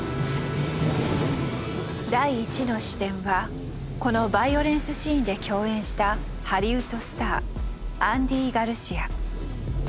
第１の視点はこのバイオレンスシーンで共演したハリウッドスターアンディ・ガルシア。